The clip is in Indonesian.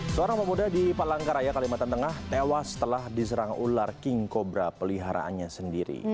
seorang pemuda di palangkaraya kalimantan tengah tewas setelah diserang ular king cobra peliharaannya sendiri